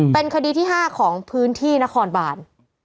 เป็นคดีที่๕ของพื้นที่นครบาน